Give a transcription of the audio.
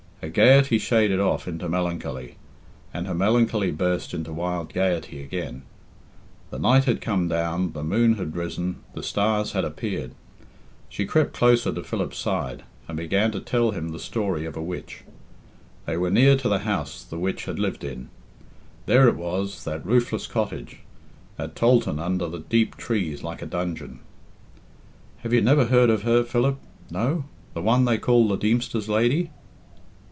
Her gaiety shaded off into melancholy, and her melancholy burst into wild gaiety again. The night had come down, the moon had risen, the stars had appeared. She crept closer to Philip's side, and began to tell him the story of a witch. They were near to the house the witch had lived in. There it was that roofless cottage that tholthan under the deep trees like a dungeon. "Have you never heard of her, Philip? No? The one they called the Deemster's lady?"